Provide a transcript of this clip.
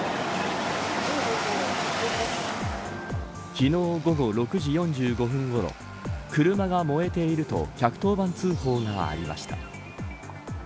昨日午後６時４５分ごろ車が燃えていると１１０番通報がありました。